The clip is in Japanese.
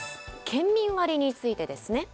県民割についてですね。